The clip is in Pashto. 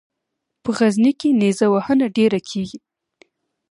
په غزني کې نیره وهنه ډېره کیږي.